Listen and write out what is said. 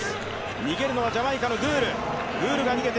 逃げるのはジャマイカのグール。